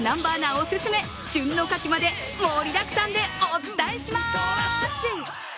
お勧め、旬のカキまで、盛りだくさんでお伝えします。